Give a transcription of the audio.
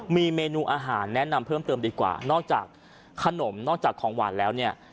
มีเมนูอาหารแนะนำเพิ่มเติมดีกว่านอกจากขนมนอกจากของหวานแล้วเนี่ย